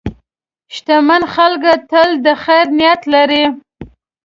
شتمن خلک تل د خیر نیت لري.